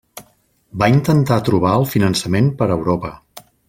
Va intentar trobar el finançament per Europa.